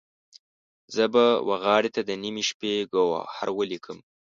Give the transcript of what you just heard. زه به وغاړې ته د نیمې شپې، ګوهر ولیکم